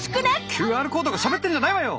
ＱＲコードがしゃべってんじゃないわよ！